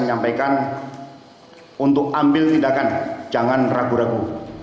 menyampaikan untuk ambil tindakan jangan ragu ragu